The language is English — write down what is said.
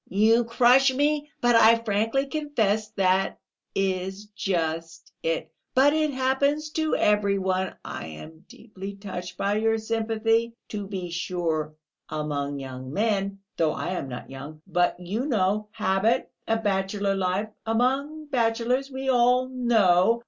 "You crush me! But I frankly confess that is just it ... but it happens to every one!... I am deeply touched by your sympathy. To be sure, among young men ... though I am not young; but you know, habit, a bachelor life, among bachelors, we all know...."